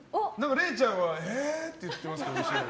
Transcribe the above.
れいちゃんは、えーって言ってますけど。